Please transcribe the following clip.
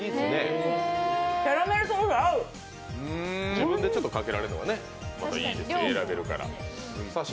自分でかけられるのが、またいいですね、選べるから。